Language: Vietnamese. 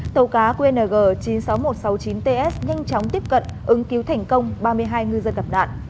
tàu cá qng chín mươi sáu nghìn một trăm sáu mươi chín ts nhanh chóng tiếp cận ứng cứu thành công ba mươi hai ngư dân gặp nạn